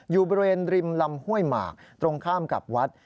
อยู่บริเวณริมลำห้วยหมากตรงข้ามกับวัด